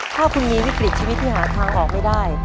ถ้าคุณมีวิกฤตชีวิตที่หาทางออกไม่ได้